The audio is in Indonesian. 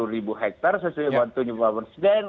dua ratus lima puluh ribu hektare sesuai waktunya bapak presiden